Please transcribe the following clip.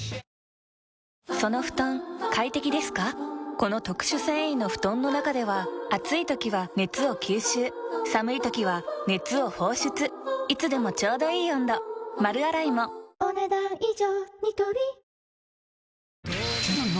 この特殊繊維の布団の中では暑い時は熱を吸収寒い時は熱を放出いつでもちょうどいい温度丸洗いもお、ねだん以上。